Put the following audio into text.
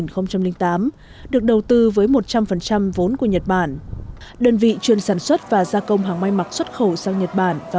hai mươi vốn của nhật bản đơn vị chuyên sản xuất và gia công hàng may mặc xuất khẩu sang nhật bản và